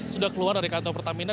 sudah keluar dari kantor pertamina